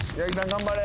頑張れ。